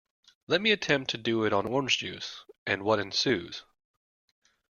Let him attempt to do it on orange juice, and what ensues?